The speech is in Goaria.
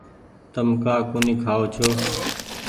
تم ڪآ ڪونيٚ کآئو ڇو۔